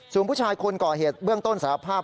ส่วนผู้ชายคนก่อเหตุเบื้องต้นสารภาพ